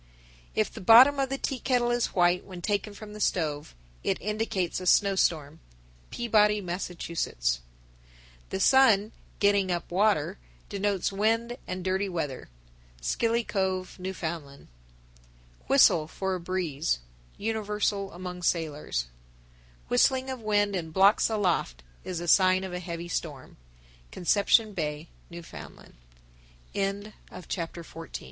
If the bottom of the tea kettle is white when taken from the stove, it indicates a snowstorm. Peabody, Mass. 1077. The sun "getting up water" denotes wind and dirty weather. Scilly Cove, N.F. 1078. Whistle for a breeze. Universal among sailors. 1079. Whistling of wind in blocks aloft is a sign of a heavy storm. Conception Bay, N.F. CHAPTER XV. MOON. DIVINATION. 1080.